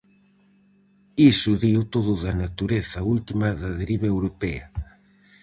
Iso dío todo da natureza última da deriva europea.